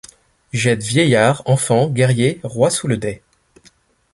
Jette vieillards, enfants, guerriers, rois sous le dais